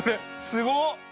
すごっ！